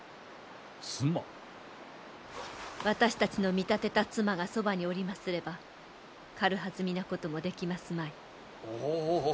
私たちの見立てた妻がそばにおりますれば軽はずみなこともできますまい。